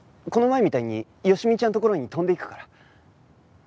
この前みたいに好美ちゃんのところに飛んでいくから。